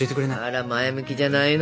あら前向きじゃないの。